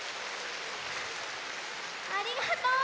ありがとう！